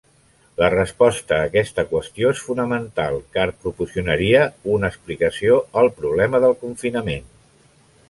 La resposta a aquesta qüestió és fonamental car proporcionaria una explicació al problema del confinament.